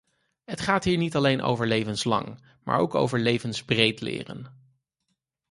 Het gaat hier niet alleen over levenslang maar ook over levensbreed leren.